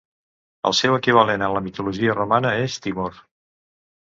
El seu equivalent en la mitologia romana és Timor.